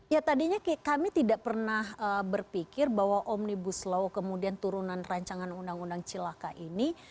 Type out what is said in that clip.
ya tadinya kami tidak pernah berpikir bahwa omnibus law kemudian turunan rancangan undang undang cilaka ini